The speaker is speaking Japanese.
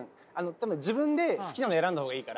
多分自分で好きなの選んだ方がいいから。